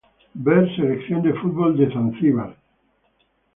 Ver "Selección de fútbol de Zanzíbar".